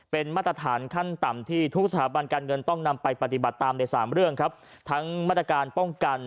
เป็นมาตรฐานขั้นต่ำที่ทุกสถาบันการเงินต้องนำไปปฏิบัติตามในสามเรื่องครับทั้งมาตรการป้องกัน